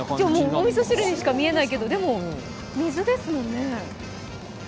おみそ汁に見えますけど、でも水ですもんね。